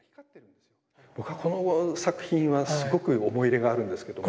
僕はこの作品はすごく思い入れがあるんですけども。